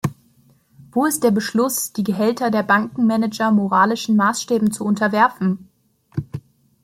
Wo ist der Beschluss, die Gehälter der Bankenmanager moralischen Maßstäben zu unterwerfen?